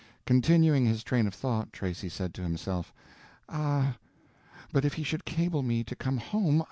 Continuing his train of thought, Tracy said to himself, "Ah, but if he should cable me to come home!